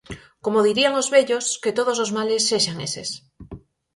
Como dirían os vellos, que todos os males sexan eses.